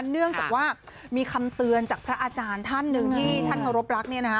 เนื่องจากว่ามีคำเตือนจากพระอาจารย์ท่านหนึ่งที่ท่านเคารพรัก